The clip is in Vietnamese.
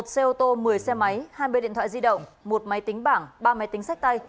một xe ô tô một mươi xe máy hai mươi điện thoại di động một máy tính bảng ba máy tính sách tay